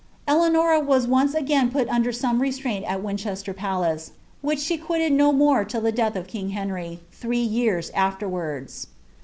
Eleanora WM a«ain put under some restraint at Winchester Palace, which ahe ({Ditted no more till the death of King Henry, iliree years afterwards.